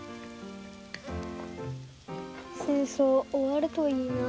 「戦争終わるといいな」